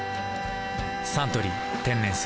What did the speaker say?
「サントリー天然水」